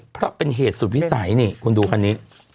เพราะเป็นเหตุสุดวิสัยนี่คุณดูคันนี้